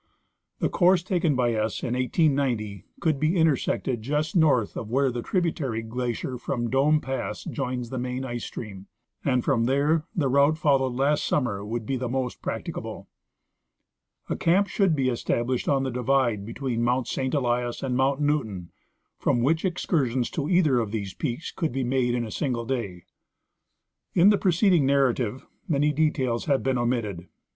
The course taken by us in 1890 could be intersected just north of where the tributary glacier from Dome pass joins the main ice stream ; and from there the route followed last summer would be the most practicable. A camp should be established on the divide between Mount St. Elias and Mount Newton, from which excursions to either of these peaks could be made in a single day. In the preceding narrative many details have been omitted.